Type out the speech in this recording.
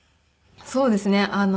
そうですね。